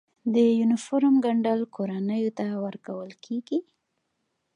د یونیفورم ګنډل کورنیو ته ورکول کیږي؟